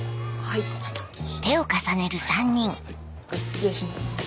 失礼します。